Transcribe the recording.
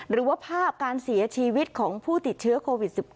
หรือว่าภาพการเสียชีวิตของผู้ติดเชื้อโควิด๑๙